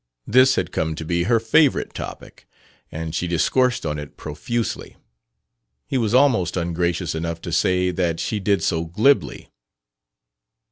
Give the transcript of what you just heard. This had come to be her favorite topic, and she discoursed on it profusely: he was almost ungracious enough to say that she did so glibly.